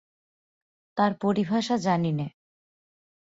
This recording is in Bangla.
তার পরিভাষা জানি নে।